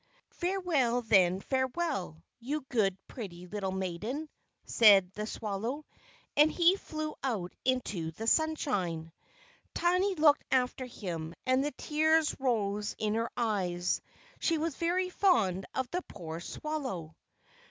"Farewell, then, farewell, you good, pretty, little maiden!" said the swallow. And he flew out into the sunshine. Tiny looked after him, and the tears rose in her eyes. She was very fond of the poor swallow.